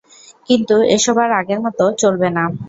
কিন্তু এসব আর আগের মতো চলবে না।